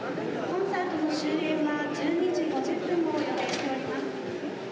「コンサートの終演は１２時５０分を予定しております。